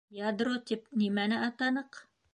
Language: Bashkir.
— Ядро тип нимәне атаныҡ?